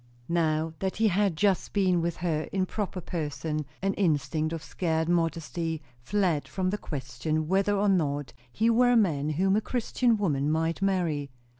Now that he had just been with her in proper person, an instinct of scared modesty fled from the question whether or no he were a man whom a Christian woman might marry.